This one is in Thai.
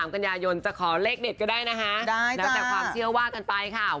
กันยายนจะขอเลขเด็ดก็ได้นะคะแล้วแต่ความเชื่อว่ากันไปค่ะ